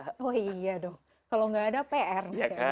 oh iya dong kalau nggak ada pr